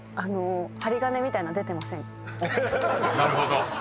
［なるほど］